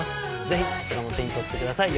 ぜひそちらも手に取ってください。